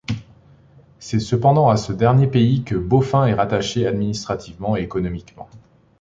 C'est cependant à ce dernier pays que Beaufin est rattaché administrativement et économiquement.